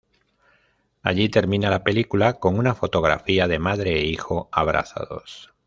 Allí termina la película, con una fotografía de madre e hijo abrazados.